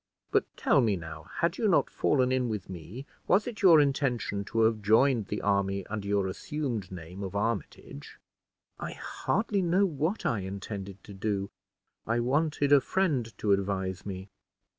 But tell me, now, had you not fallen in with me, was it your intention to have joined the army under your assumed name of Armitage?" "I hardly know what I intended to do. I wanted a friend to advise me."